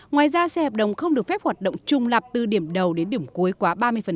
ngoài ra xe hợp đồng không được phép hoạt động trung lập từ điểm đầu đến điểm cuối quá ba mươi